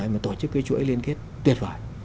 mà tổ chức cái chuỗi liên kết tuyệt vời